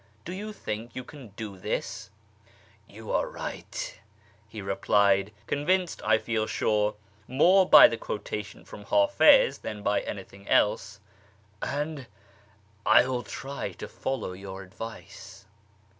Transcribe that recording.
Do you think you can do this ?"" You are right," he replied (convinced, I feel sure, more by the quotation from Htifiz than by anything else), "and I will try to follow your advice."